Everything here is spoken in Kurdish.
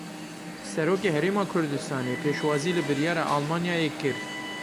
Serokê Herêma Kurdistanê pêşwazî li biryara Almanyayê kir.